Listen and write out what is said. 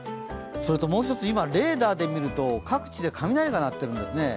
もう一つ、レーダーで見ると各地で雷が鳴っているんですね。